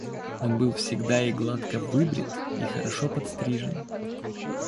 Он был всегда и гладко выбрит и хорошо подстрижен.